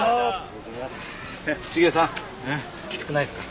茂さんきつくないですか？